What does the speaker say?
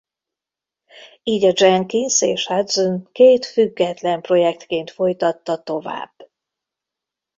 Így a Jenkins és Hudson két független projektként folytatta tovább.